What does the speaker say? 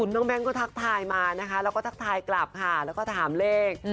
แก๊งก็ทักทายมานะคะแล้วก็ทักทายกลับค่ะแล้วก็ถามเลข